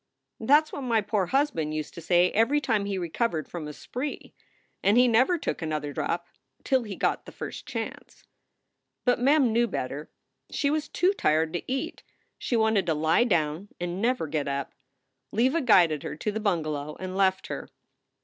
"That s what my poor husband used to say every time he recovered from a spree. And he never took another drop till he got the first chance." But Mem knew better. She was too tired to eat. She wanted to lie down and never get up. Leva guided her to the bungalow and left her.